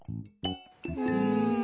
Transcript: うん。